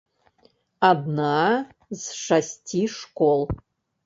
Адна з шасці школ.